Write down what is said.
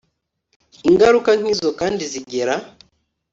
Ingaruka nkizo kandi zigera